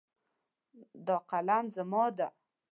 دا قلم زما ده